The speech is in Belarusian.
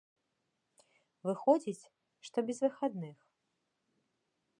Выходзіць, што без выхадных.